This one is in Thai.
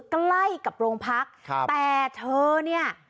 ใกล้กับโรงพักครับแต่เธอเนี่ย